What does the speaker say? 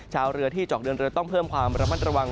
ชาวเรือที่เจาะเดินเรือต้องเพิ่มความระมัดระวัง